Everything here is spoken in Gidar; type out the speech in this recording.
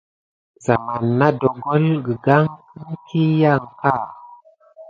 Zamane nà ɗongole gəlgane kiyan kā.